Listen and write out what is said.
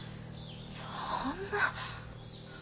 そんな。